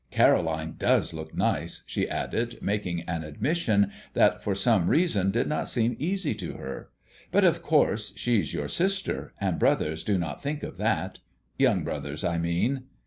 "Caroline does look nice," she added, making an admission that for some reason did not seem easy to her. "But, of course, she's your sister, and brothers do not think of that. Young brothers, I mean."